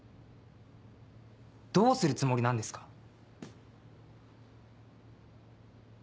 どうするつもりなんですか？